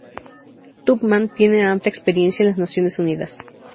Tubman tiene amplia experiencia en las Naciones Unidas.